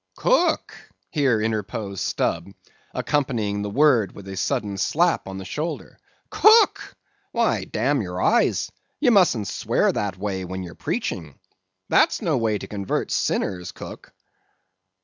"Cook," here interposed Stubb, accompanying the word with a sudden slap on the shoulder,—"Cook! why, damn your eyes, you mustn't swear that way when you're preaching. That's no way to convert sinners, cook!"